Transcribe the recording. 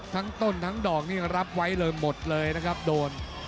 ทั้งต้นทั้งดอกนี่รับไว้เลยหมดเลยนะครับโดน